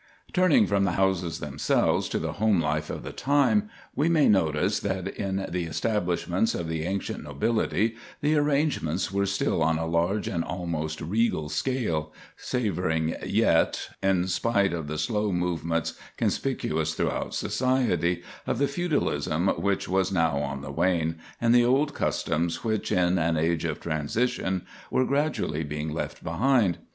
Turning from the houses themselves to the home life of the time, we may notice that in the establishments of the ancient nobility the arrangements were still on a large and almost regal scale, savoring yet, in spite of the slow movements conspicuous throughout society, of the feudalism which was now on the wane, and the old customs which, in an age of transition, were gradually being left behind.